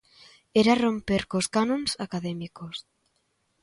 Era romper cos canons académicos.